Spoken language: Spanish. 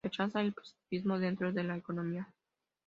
Rechaza el positivismo dentro de la economía.